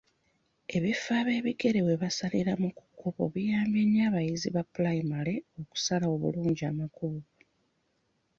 Ebifo ab'ebigere webasaliramu ku kkubo biyamba nnyo abayizi ba pulayimale okusala obulungi amakubo.